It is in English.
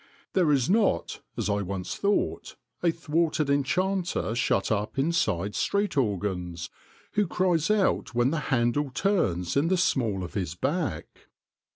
There is not, as I once thought, a thwarted enchanter shut up inside street organs who cries out when the handle turns in the small of his back.